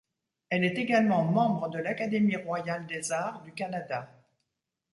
Elle est également membre de l'Académie royale des arts du Canada.